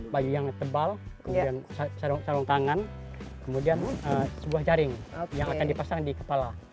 baju yang tebal kemudian sarung tangan kemudian sebuah jaring yang akan dipasang di kepala